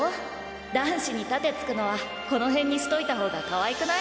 男子にたてつくのはこの辺にしといた方がかわいくない？